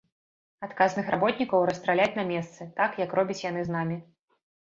Адказных работнікаў расстраляць на месцы, так, як робяць яны з намі.